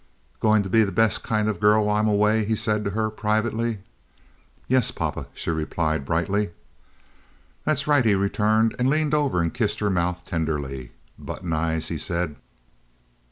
"Going to be the best kind of a girl while I'm away?" he said to her, privately. "Yes, papa," she replied, brightly. "That's right," he returned, and leaned over and kissed her mouth tenderly. "Button Eyes," he said.